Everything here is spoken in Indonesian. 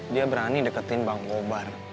dia berani deketin bang kobar